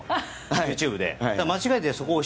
ＹｏｕＴｕｂｅで。